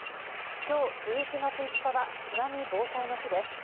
きょう１１月５日は津波防災の日です。